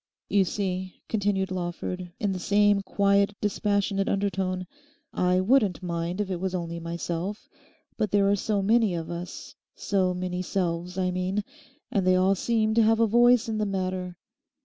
'You see,' continued Lawford, in the same quiet, dispassionate undertone, 'I wouldn't mind if it was only myself. But there are so many of us, so many selves, I mean; and they all seem to have a voice in the matter.